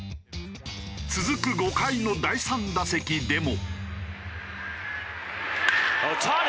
続く５回の第３打席でも。